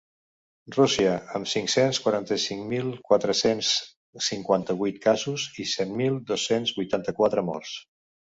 Rússia, amb cinc-cents quaranta-cinc mil quatre-cents cinquanta-vuit casos i set mil dos-cents vuitanta-quatre morts.